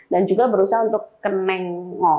dan juga berusaha untuk kenengo